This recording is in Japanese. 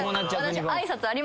私。